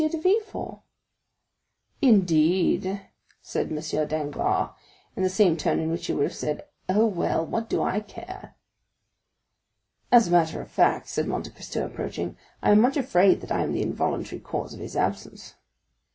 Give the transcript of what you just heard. de Villefort." "Indeed?" said M. Danglars, in the same tone in which he would have said, "Oh, well, what do I care?" "As a matter of fact," said Monte Cristo, approaching, "I am much afraid that I am the involuntary cause of his absence."